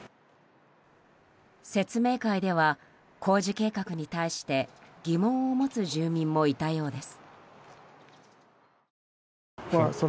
説明会では、工事計画に対して疑問を持つ住民もいたようです。